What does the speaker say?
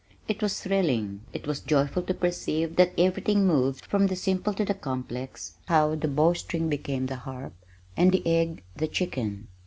It was thrilling, it was joyful to perceive that everything moved from the simple to the complex how the bow string became the harp, and the egg the chicken.